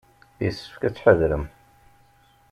Yessefk ad tḥadrem.